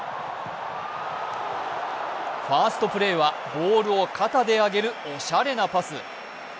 ファーストプレーはボールを肩で上げるおしゃれなパス。